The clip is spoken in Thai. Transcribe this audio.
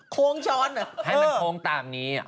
โค้งช้อนให้มันโค้งตามนี้